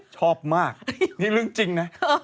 ชอบมากนี่เรื่องจริงนะ